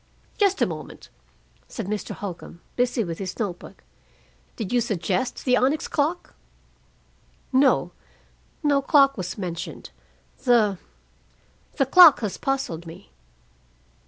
"Just a moment," said Mr. Holcombe, busy with his note book. "Did you suggest the onyx clock?" "No. No clock was mentioned. The the clock has puzzled me."